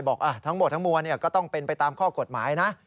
ทั้งหมดทั้งมวลก็ต้องเป็นไปตามข้อกฎหมายนะ